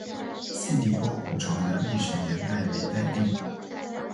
希里沟古城的历史年代为待定。